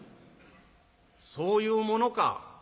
「そういうものか」。